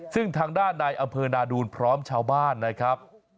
ซึ่งทางด้านในอำเภอนาดูนพร้อมชาวบ้านนะครับ